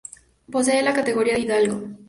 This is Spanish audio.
Posee la categoría de hidalgo.